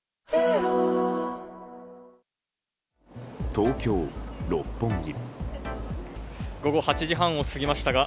東京・六本木。